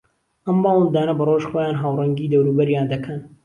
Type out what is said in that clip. ئەم باڵندانە بە ڕۆژ خۆیان ھاوڕەنگی دەوروبەریان دەکەن